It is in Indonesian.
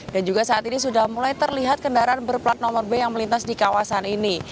dan juga saat ini sudah mulai terlihat kendaraan berplat nomor b yang melintas di kawasan ini